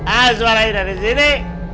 ah suara ini dari sini